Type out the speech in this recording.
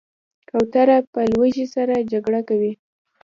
کوتره له لوږې سره جګړه کوي.